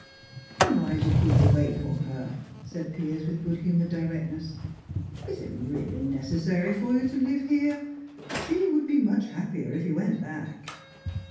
"Then why do you keep away from her?" said Piers, with good humoured directness. "Is it really necessary for you to live here? She would be much happier if you went back."